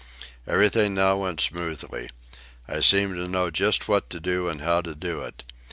Everything now went smoothly. I seemed to know just what to do and how to do it.